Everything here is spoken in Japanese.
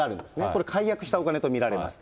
これ、解約したお金と見られます。